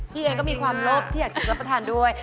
เองก็มีความโลภที่อยากจะรับประทานด้วย